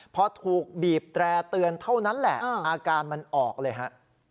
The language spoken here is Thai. พอถูกบีบแตร่เตือนเท่านั้นแหละอาการมันออกเลยฮะ